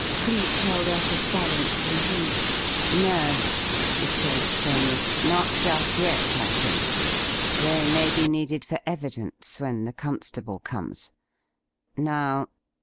Cleek held up a silencing hand. "No," he said, firmly. "Not just yet, I think. They may be needed for evidence when the constable comes. Now...."